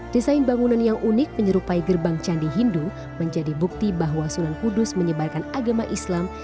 desain bangunan yang unik menyerupai gerbang candi hindu menjadi bukti bahwa sunan kudus menyebarkan agama islam